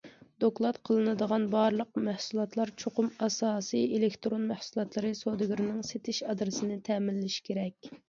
دوكلات قىلىنىدىغان بارلىق مەھسۇلاتلار چوقۇم ئاساسىي ئېلېكتىرون مەھسۇلاتلىرى سودىگىرىنىڭ سېتىش ئادرېسىنى تەمىنلىشى كېرەك.